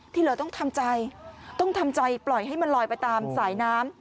ที่เหลือต้องทำใจต้องทำใจปล่อยให้มันลอยไปตามสายน้ำ